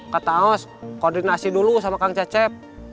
kata aos koordinasi dulu sama kang cecep